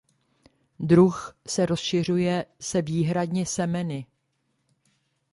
Druh se rozšiřuje se výhradně semeny.